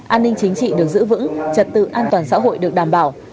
an ninh chính trị được giữ vững trật tự an toàn xã hội được đảm bảo